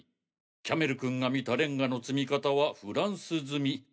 キャメル君が見たレンガの積み方はフランス積み。